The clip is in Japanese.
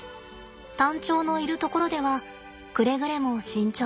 タンチョウのいるところではくれぐれも慎重に。